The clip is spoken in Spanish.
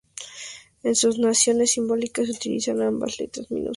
En su notación simbólica se utilizan ambas letras en minúscula.